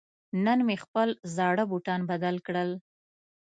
نن مې خپل زاړه بوټان بدل کړل.